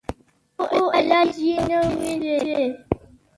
خو علاج يې نه و سوى.